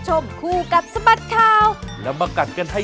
สวัสดีค่ะ